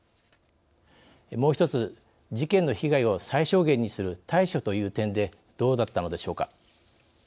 もう一つ事件の被害を最小限にする対処という点でどうだったのでしょうか。